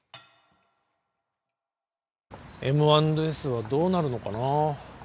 Ｍ＆Ｓはどうなるのかな？